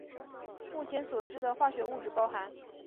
目前所知的化学物质包含。